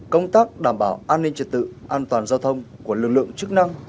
công tác đảm bảo an ninh trật tự an toàn giao thông của lực lượng chức năng